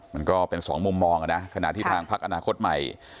มันก็เป็นสองมุมมองนะขณะที่ทางพักอนาคตใหม่